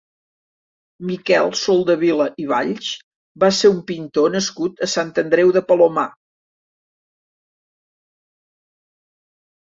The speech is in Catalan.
Miquel Soldevila i Valls va ser un pintor nascut a Sant Andreu de Palomar.